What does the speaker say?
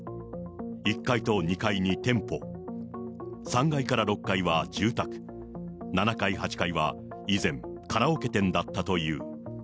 １階と２階に店舗、３階から６階は住宅、７階、８階は以前、カラオケ店だったという。